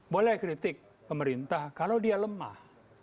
boleh kritik pemerintah kalau dia lemah